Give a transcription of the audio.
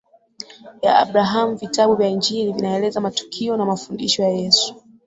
ya Abrahamu Vitabu vya Injili vinaeleza matukio na mafundisho ya Yesu